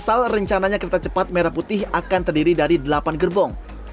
asal rencananya kereta cepat merah putih akan terdiri dari delapan gerbong